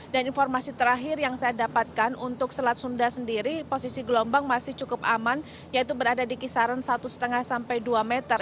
dan informasi terakhir yang saya dapatkan untuk selat sunda sendiri posisi gelombang masih cukup aman yaitu berada di kisaran satu lima sampai dua meter